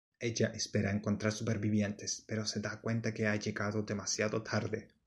Ella espera encontrar supervivientes, pero se da cuenta de que ha llegado demasiado tarde.